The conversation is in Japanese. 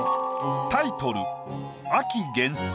タイトル。